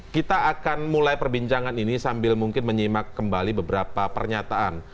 kita akan mulai perbincangan ini sambil mungkin menyimak kembali beberapa pernyataan